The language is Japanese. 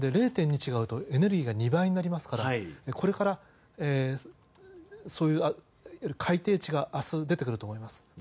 違うとエネルギーが２倍違いますからこれからそういう改定値が明日出てくると思います。